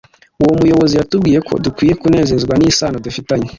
Uwo muyobozi yatubwiye ko dukwiye kunezezwa n’isano dufitanye